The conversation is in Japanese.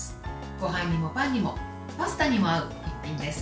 ごはんにもパンにもパスタにも合う一品です。